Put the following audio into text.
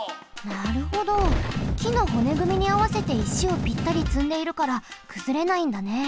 なるほどきのほねぐみにあわせて石をぴったりつんでいるからくずれないんだね。